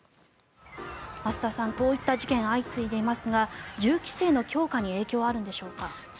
増田さん、こういった事件が相次いでいますが銃規制の強化に影響はあるんでしょうか？